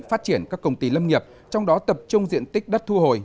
phát triển các công ty lâm nghiệp trong đó tập trung diện tích đất thu hồi